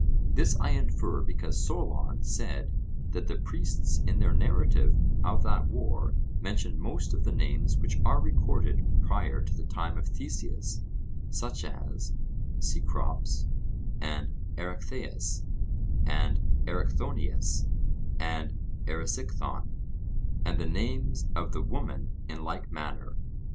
This I infer because Solon said that the priests in their narrative of that war mentioned most of the names which are recorded prior to the time of Theseus, such as Cecrops, and Erechtheus, and Erichthonius, and Erysichthon, and the names of the women in like manner.